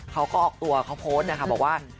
เขาก็ออกตัวเขาโพสต์นะคะบอกว่า